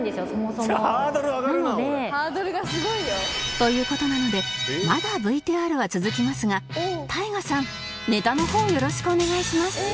という事なのでまだ ＶＴＲ は続きますが ＴＡＩＧＡ さんネタの方よろしくお願いします